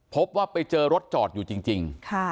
พบว่าไปเจอรถจอดอยู่จริง